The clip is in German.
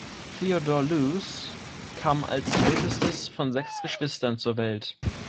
Theodor Loos kam als ältestes von sechs Geschwistern zur Welt.